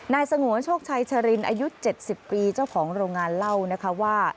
สงวนโชคชัยชรินอายุ๗๐ปีเจ้าของโรงงานเล่านะคะว่า